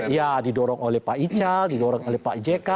ya didorong oleh pak ical didorong oleh pak jk